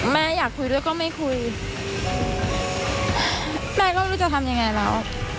แม่อยากคุยด้วยก็ไม่คุยแม่ก็ไม่รู้จะทำยังไงแล้ว